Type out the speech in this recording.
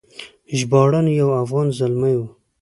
ژباړن یو افغان زلمی و.